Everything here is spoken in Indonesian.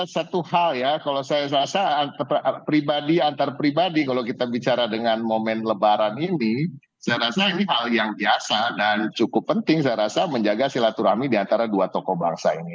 satu hal ya kalau saya rasa pribadi antar pribadi kalau kita bicara dengan momen lebaran ini saya rasa ini hal yang biasa dan cukup penting saya rasa menjaga silaturahmi diantara dua tokoh bangsa ini